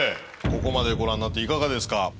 ここまでご覧になっていかがですか？